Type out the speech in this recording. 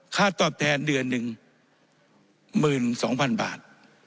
ค่าตอบแทนเดือนหนึ่ง๑๒๐๐๐บาท